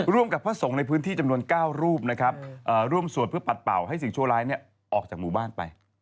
ร่วมกับพระสงฆ์ในพื้นที่จำนวน๙รูปร่วมสวดเพื่อปัดเป่าให้สิ่งโชว์ร้ายออกจากหมู่บ้านไป